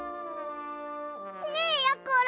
ねえやころ